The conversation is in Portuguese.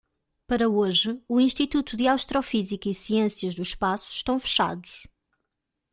Para hoje, o Instituto de Astrofísica e Ciências do Espaço, estão fechados.